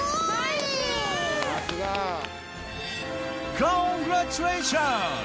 コングラチュレーションズ！